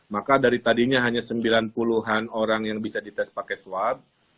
maka dari tadinya hanya sembilan puluh an orang yang bisa dites pakai swab